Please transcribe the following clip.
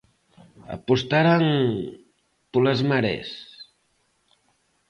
Apostarán polas 'marés'?